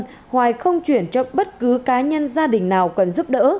cao thị hoài không chuyển cho bất cứ cá nhân gia đình nào cần giúp đỡ